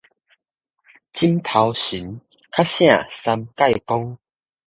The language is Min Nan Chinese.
枕頭神較聖三界公